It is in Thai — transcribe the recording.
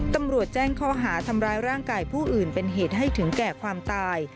ตำรวจแจ้งข้อหาทำร้ายร่างกายผู้อื่นเป็นเหตุให้ถึงแก่ความตาย